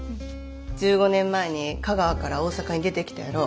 １５年前に香川から大阪に出てきたやろ。